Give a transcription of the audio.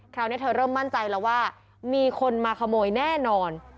คราวนี้เธอเริ่มมั่นใจแล้วว่ามีคนมาขโมยแน่นอน